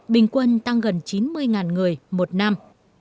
bình quân tăng gần chín mươi người một năm